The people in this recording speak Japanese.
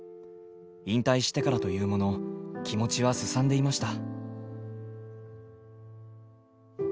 引退してからというもの気持ちはすさんでいました。